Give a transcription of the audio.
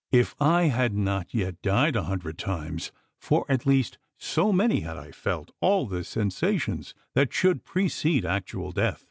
If I had not yet died a hundred times, for at least so many had I felt all the sensations that should precede actual death.